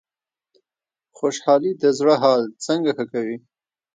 خوشحالي د زړه حال څنګه ښه کوي؟